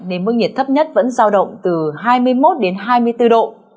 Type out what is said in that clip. nên mức nhiệt thấp nhất vẫn giao động từ hai mươi một đến hai mươi bốn độ